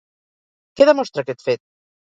Què demostra aquest fet?